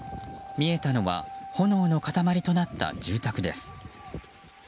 見えたのは炎の塊となった住宅です。